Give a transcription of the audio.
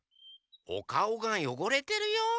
おかおがよごれてるよ。